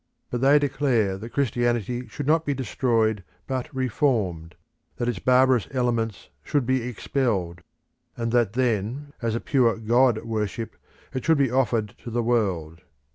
But they declare that Christianity should not be destroyed but reformed; that its barbarous elements should be expelled, and that then, as a pure God worship, it should be offered to the world.